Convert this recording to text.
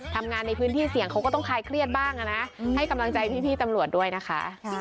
ทำงานในพื้นที่เสี่ยงเขาก็ต้องคลายเครียดบ้างนะให้กำลังใจพี่ตำรวจด้วยนะคะ